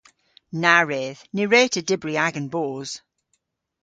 Na wredh. Ny wre'ta dybri agan boos.